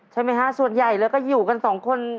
ใช่ไหมครับส่วนใหญ่เลยก็อยู่กัน๒คน